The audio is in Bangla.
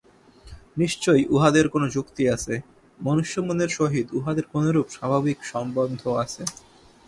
নিশ্চয়ই উহাদের কোন যুক্তি আছে, মনুষ্য-মনের সহিত উহাদের কোনরূপ স্বাভাবিক সম্বন্ধ আছে।